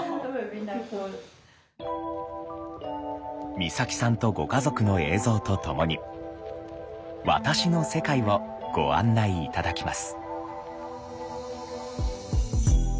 光沙季さんとご家族の映像とともに「私の世界」をご案内頂きます。